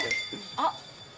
あっ！